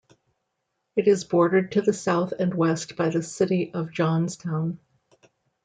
It is bordered to the south and west by the city of Johnstown.